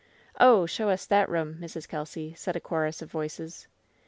"Oh, show us that room, Mrs. Kelsy," said a chorus of voices.